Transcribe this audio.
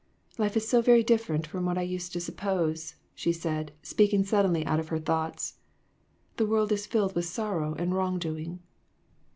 " Life is very different from what I used to suppose," she said, speaking suddenly out of her thoughts ;" the world is filled with sorrow and wrong doing."